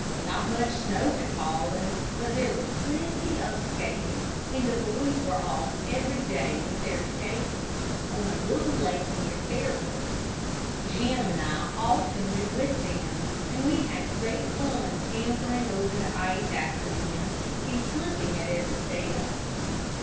Not much snow had fallen, but there was plenty of skating, and the boys were off every day with their skates on a little lake near Fairport. Jim and I often went with them, and we had great fun scampering over the ice after them, and slipping at every step.